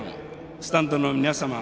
スタンドの皆様。